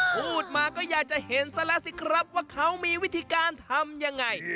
พูดมาก็อยากจะเห็นซะแล้วสิครับว่าเขามีวิธีการทำยังไง